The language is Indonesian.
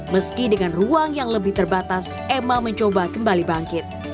meski dengan ruang yang lebih terbatas emma mencoba kembali bangkit